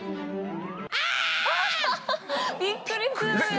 あ！びっくりするな。